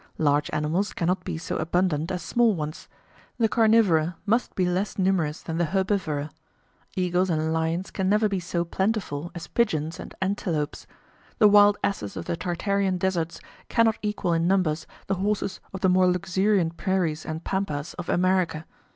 Large animals cannot be so abundant as small ones; the carnivora must be less numerous than the herbivora; eagles and lions can never be so plentiful as pigeons and antelopes; the wild asses of the Tartarian deserts cannot equal in numbers the horses of the more luxuriant prairies and pampas of America.